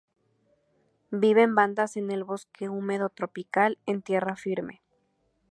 Vive en bandas en el bosque húmedo tropical, en tierra firme.